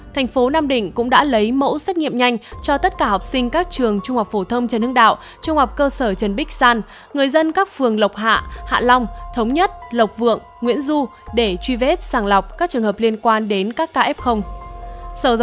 tp nam định cũng đã lấy mẫu xét nghiệm nhanh cho tất cả học sinh các trường trung học phổ thông